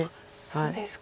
そうですか。